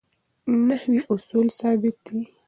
نحوي اصول ثابت دي.